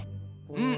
うん。